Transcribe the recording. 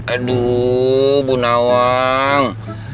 aduh bu nawang